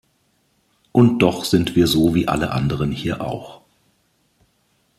Und doch sind wir so wie alle anderen hier auch.